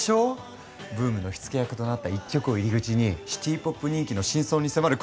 ブームの火付け役となった一曲を入り口にシティ・ポップ人気の真相に迫る